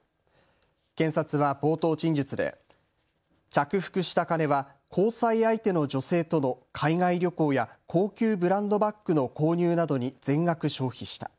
検察は冒頭陳述で着服した金は交際相手の女性との海外旅行や高級ブランドバッグの購入などに全額消費した。